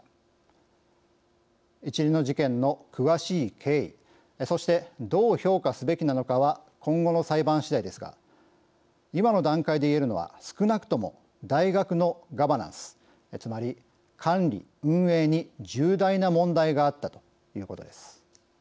一連の事件の詳しい経緯そしてどう評価すべきなのかは今後の裁判しだいですが今の段階でいえるのは少なくとも大学のガバナンスつまり管理・運営に重大な問題があったということです。